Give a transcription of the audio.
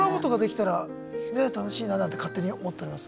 そうですね。なんて勝手に思っております